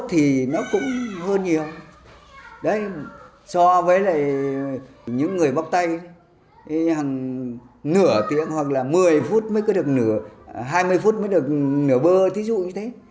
hàng nửa tiếng hoặc là một mươi phút mới có được nửa hai mươi phút mới được nửa bơ ví dụ như thế